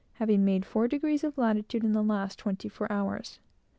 having made four degrees of latitude in the last twenty four hours.